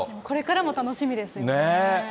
これからも楽しみですよね。